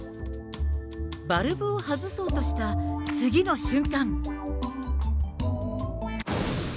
バルブを外そうとした次の瞬間。